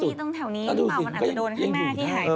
มันอาจจะมีตรงแถวนี้มันอาจจะโดนข้างหน้าที่หายไป